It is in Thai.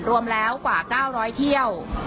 รวมแล้วกว่า๙๐๐เที่ยว